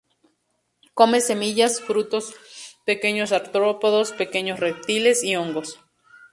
Come semillas, frutos, pequeños artrópodos, pequeños reptiles y hongos.